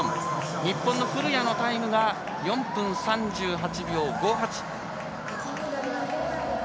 日本の古屋のタイムが４分３８秒５８。